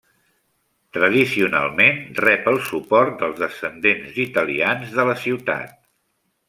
Tradicionalment rep el suport dels descendents d'italians de la ciutat.